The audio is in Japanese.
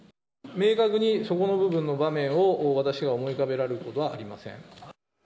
明確にそこの部分の場面を、私が思い浮かべられることはありません。